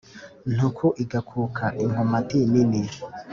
ntuku igakuka inkomati nini